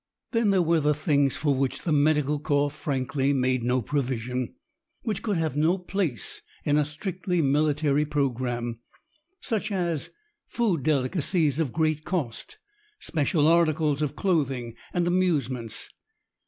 Then there were the things for which the Medical Corps frankly made no provision, which could have no place in a strictly military programme, such as food delicacies of great cost, special articles of clothing, and amusements.